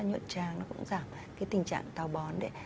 chúng ta nhuộn tràng nó cũng giảm cái tình trạng tào bón đấy